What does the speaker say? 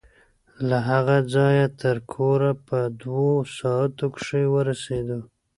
له هغه ځايه تر کوره په دوو ساعتو کښې ورسېدو.